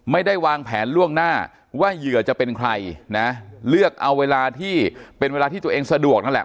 ไม่ได้วางแผนล่วงหน้าว่าเหยื่อจะเป็นใครนะเลือกเอาเวลาที่เป็นเวลาที่ตัวเองสะดวกนั่นแหละ